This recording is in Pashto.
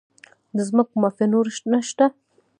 د ځمکو مافیا نور نشته؟